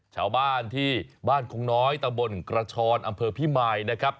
ชาวบ้านที่บ้านคงน้อยตะบนกระชอนอำเภอพิมายนะครับ